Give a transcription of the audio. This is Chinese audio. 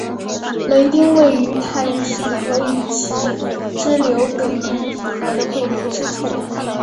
雷丁位于泰晤士河与其支流肯尼迪河的汇流之处。